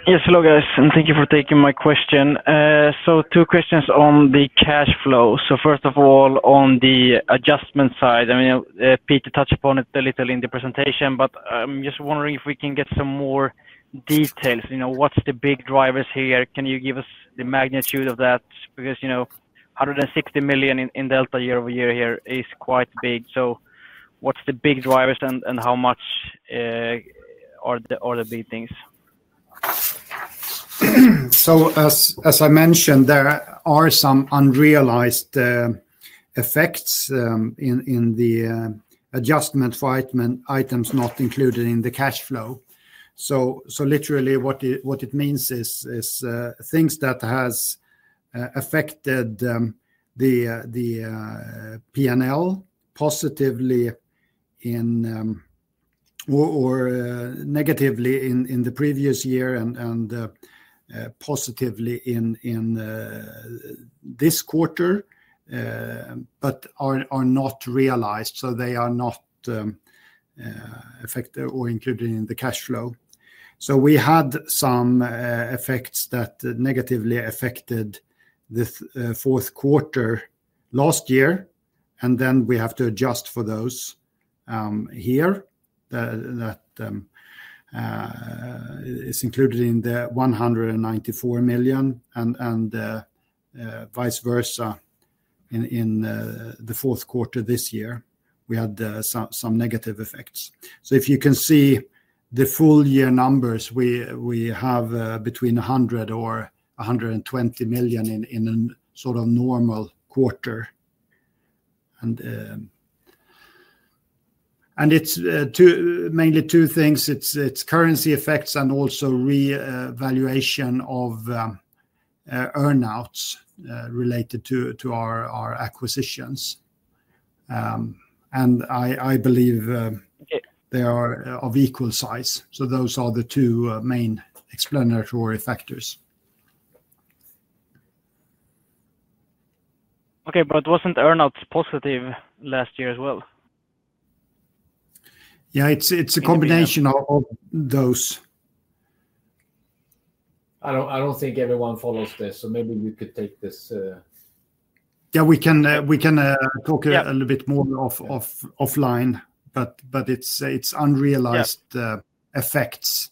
Yes. Hello, guys. Thank you for taking my question. Two questions on the cash flow. First of all, on the adjustment side, I mean, Peter touched upon it a little in the presentation, but I'm just wondering if we can get some more details. What are the big drivers here? Can you give us the magnitude of that? Because 160 million in delta year over year here is quite big. What's the big drivers, and how much are the big things? As I mentioned, there are some unrealized effects in the adjustment items not included in the cash flow. Literally, what it means is things that have affected the P&L positively or negatively in the previous year and positively in this quarter, but are not realized. They are not affected or included in the cash flow. We had some effects that negatively affected the fourth quarter last year, and then we have to adjust for those here that is included in the 194 million and vice versa in the fourth quarter this year. We had some negative effects. If you can see the full year numbers, we have between 100 million or 120 million in a sort of normal quarter. It's mainly two things. It's currency effects and also revaluation of earnouts related to our acquisitions. I believe they are of equal size. Those are the two main explanatory factors. Okay. Wasn't earnouts positive last year as well? Yeah. It's a combination of those. I don't think everyone follows this, so maybe we could take this. Yeah. We can talk a little bit more offline, but it's unrealized effects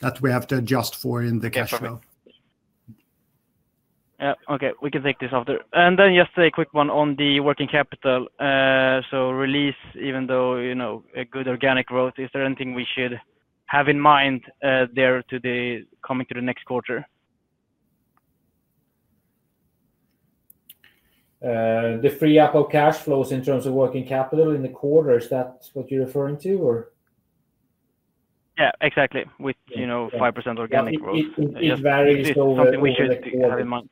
that we have to adjust for in the cash flow. Okay. We can take this after. Just a quick one on the working capital. Release, even though a good organic growth, is there anything we should have in mind there coming to the next quarter? The free up of cash flows in terms of working capital in the quarters, that's what you're referring to, or? Yeah. Exactly. With 5% organic growth. It varies over the quarter.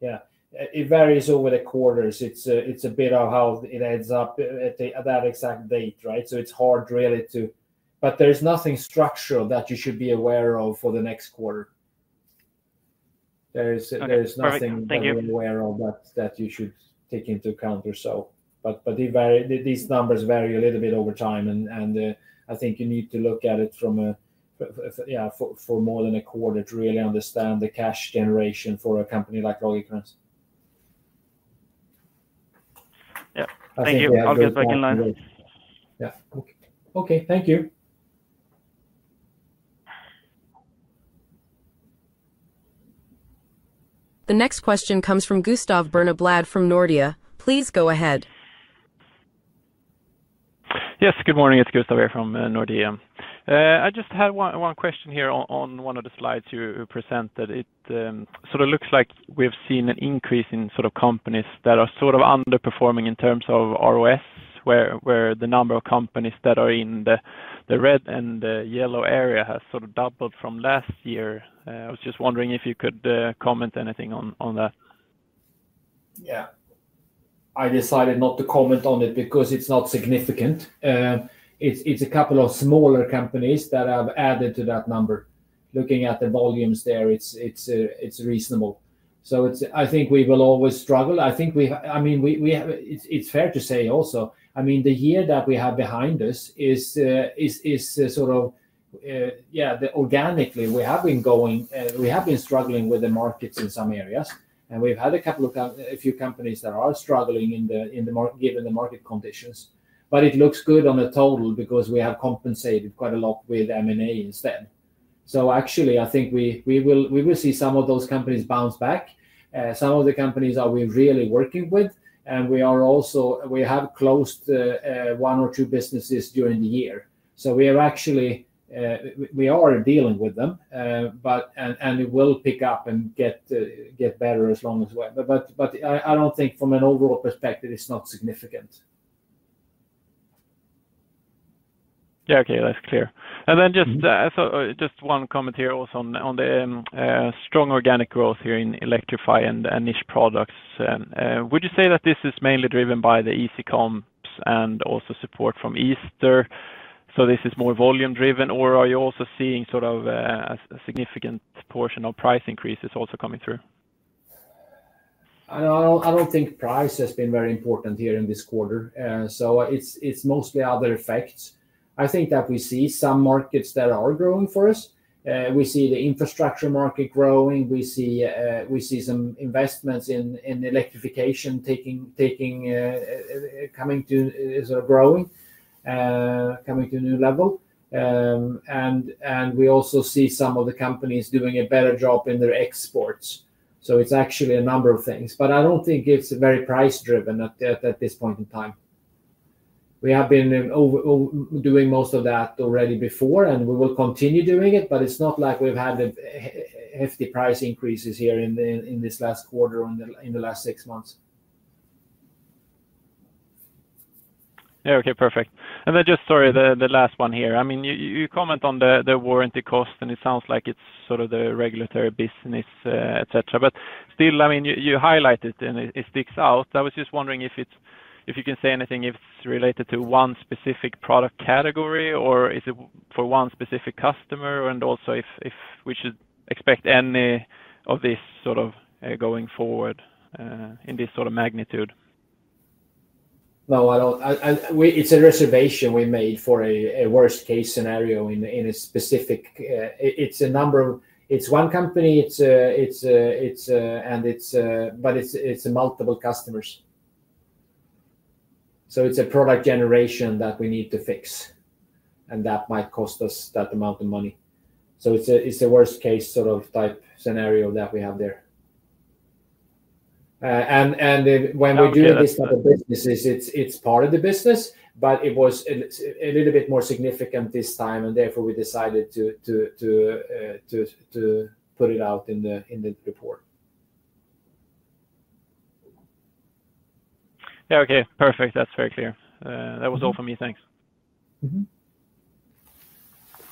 Yeah. It varies over the quarters. It's a bit of how it ends up at that exact date, right? It's hard really to, but there's nothing structural that you should be aware of for the next quarter. There's nothing that you're aware of that you should take into account or so. These numbers vary a little bit over time, and I think you need to look at it from a, yeah, for more than a quarter to really understand the cash generation for a company like Lagercrantz. Yeah. Thank you. I'll get back in line. Okay. Thank you. The next question comes from Gustav Berneblad from Nordea. Please go ahead. Yes. Good morning. It's Gustav here from Nordea. I just had one question here on one of the slides you presented. It sort of looks like we've seen an increase in sort of companies that are sort of underperforming in terms of ROS, where the number of companies that are in the red and the yellow area has sort of doubled from last year. I was just wondering if you could comment anything on that. Yeah. I decided not to comment on it because it's not significant. It's a couple of smaller companies that have added to that number. Looking at the volumes there, it's reasonable. I think we will always struggle. I mean, it's fair to say also, I mean, the year that we have behind us is sort of, yeah, organically, we have been going, we have been struggling with the markets in some areas. And we've had a few companies that are struggling given the market conditions. It looks good on the total because we have compensated quite a lot with M&A instead. Actually, I think we will see some of those companies bounce back. Some of the companies we are really working with, and we have closed one or two businesses during the year. We are dealing with them, and it will pick up and get better as long as we are, but I do not think from an overall perspective, it is significant. Yeah. Okay. That is clear. Just one comment here also on the strong organic growth here in Electrify and Niche Products. Would you say that this is mainly driven by the EasyComps and also support from Easter? Is this more volume-driven, or are you also seeing a significant portion of price increases also coming through? I don't think price has been very important here in this quarter. It is mostly other effects. I think that we see some markets that are growing for us. We see the infrastructure market growing. We see some investments in electrification coming to sort of growing, coming to a new level. We also see some of the companies doing a better job in their exports. It is actually a number of things. I don't think it is very price-driven at this point in time. We have been doing most of that already before, and we will continue doing it, but it is not like we have had hefty price increases here in this last quarter or in the last six months. Okay. Perfect. Just, sorry, the last one here. I mean, you comment on the warranty cost, and it sounds like it is sort of the regulatory business, etc. But still, I mean, you highlighted it, and it sticks out. I was just wondering if you can say anything if it's related to one specific product category, or is it for one specific customer, and also if we should expect any of this sort of going forward in this sort of magnitude. No, I don't. It's a reservation we made for a worst-case scenario in a specific, it's a number of, it's one company, and it's, but it's multiple customers. So it's a product generation that we need to fix, and that might cost us that amount of money. So it's the worst-case sort of type scenario that we have there. When we're doing this type of business, it's part of the business, but it was a little bit more significant this time, and therefore we decided to put it out in the report. Yeah. Okay. Perfect. That's very clear. That was all for me. Thanks.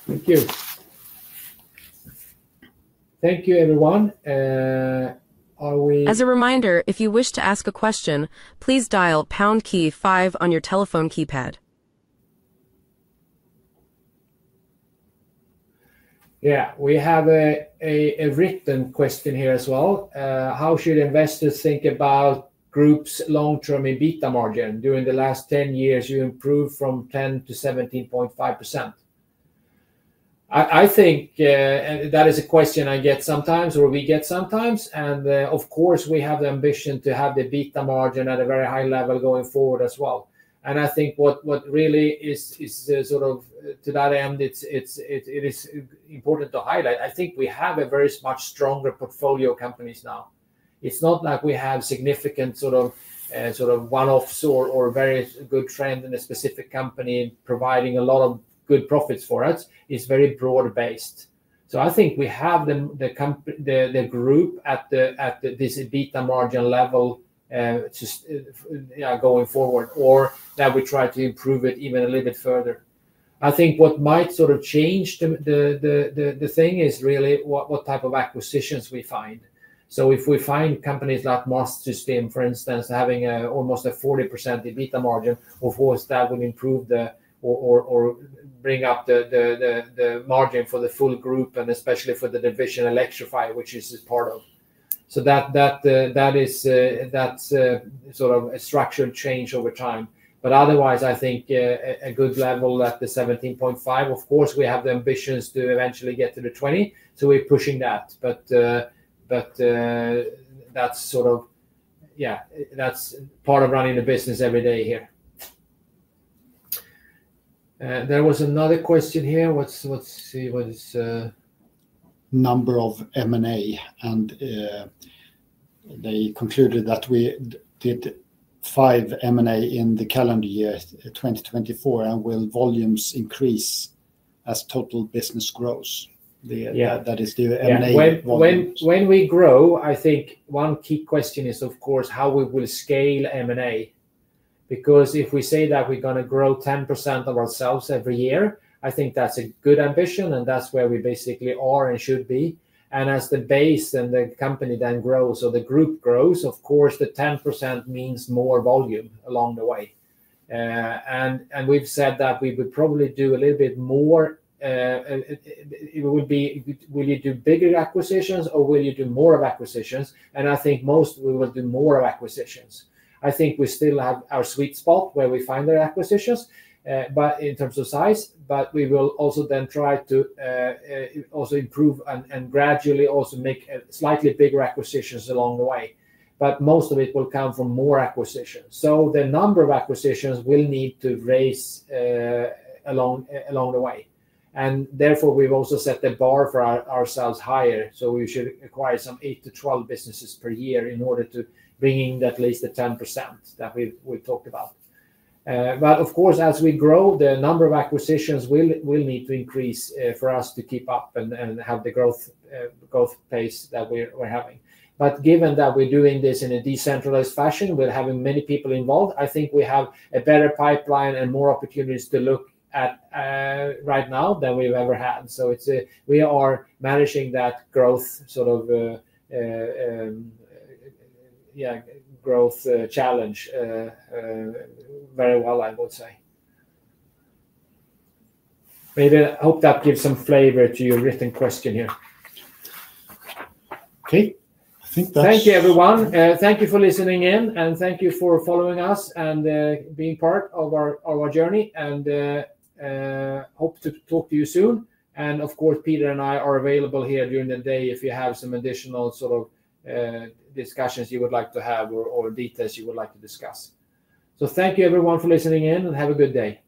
Thank you. Thank you, everyone. As a reminder, if you wish to ask a question, please dial Poundkey 5 on your telephone keypad. We have a written question here as well. How should investors think about group's long-term EBITDA margin? During the last 10 years, you improved from 10% to 17.5%. I think that is a question I get sometimes or we get sometimes. Of course, we have the ambition to have the EBITDA margin at a very high level going forward as well. I think what really is sort of to that end, it is important to highlight. I think we have a very much stronger portfolio of companies now. It's not like we have significant sort of one-offs or very good trends in a specific company providing a lot of good profits for us. It's very broad-based. I think we have the group at this EBITDA margin level going forward, or that we try to improve it even a little bit further. I think what might sort of change the thing is really what type of acquisitions we find. If we find companies like Must System, for instance, having almost a 40% EBITDA margin, of course, that would improve or bring up the margin for the full group, and especially for the Electrify division, which it is part of. That is sort of a structural change over time. Otherwise, I think a good level at the 17.5%. Of course, we have the ambitions to eventually get to the 20%, so we're pushing that. That's part of running the business every day here. There was another question here. Let's see what it is. Number of M&A, and they concluded that we did five M&A in the calendar year 2024, and will volumes increase as total business grows? That is the M&A volume. When we grow, I think one key question is, of course, how we will scale M&A. Because if we say that we're going to grow 10% of ourselves every year, I think that's a good ambition, and that's where we basically are and should be. As the base and the company then grows or the group grows, of course, the 10% means more volume along the way. We've said that we would probably do a little bit more. Will you do bigger acquisitions, or will you do more of acquisitions? I think most, we will do more of acquisitions. I think we still have our sweet spot where we find the acquisitions in terms of size, but we will also then try to also improve and gradually also make slightly bigger acquisitions along the way. Most of it will come from more acquisitions. The number of acquisitions will need to raise along the way. Therefore, we have also set the bar for ourselves higher. We should acquire some 8-12 businesses per year in order to bring in at least the 10% that we talked about. Of course, as we grow, the number of acquisitions will need to increase for us to keep up and have the growth pace that we are having. Given that we're doing this in a decentralized fashion, we're having many people involved, I think we have a better pipeline and more opportunities to look at right now than we've ever had. We are managing that growth, sort of, yeah, growth challenge very well, I would say. Maybe I hope that gives some flavor to your written question here. Okay. I think that's it. Thank you, everyone. Thank you for listening in, and thank you for following us and being part of our journey. Hope to talk to you soon. Of course, Peter and I are available here during the day if you have some additional sort of discussions you would like to have or details you would like to discuss. Thank you, everyone, for listening in, and have a good day.